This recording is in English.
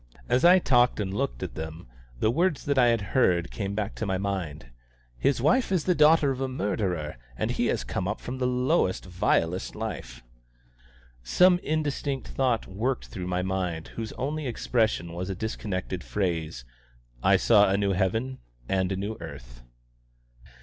As I talked and looked at them, the words that I had heard came back to my mind. "His wife is the daughter of a murderer, and he has come up from the lowest, vilest life." Some indistinct thought worked through my mind whose only expression was a disconnected phrase: "I saw a new heaven and a new earth."